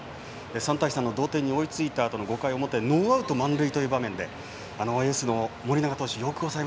３対３の同点に追いついたあとの５回表ノーアウト満塁の場面でエースの盛永投手